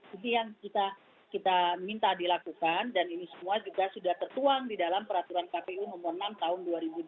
itu yang kita minta dilakukan dan ini semua juga sudah tertuang di dalam peraturan kpu nomor enam tahun dua ribu dua puluh